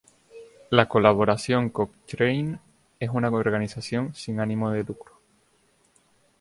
La colaboración Cochrane es una organización sin ánimo de lucro.